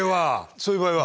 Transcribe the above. そういう場合は？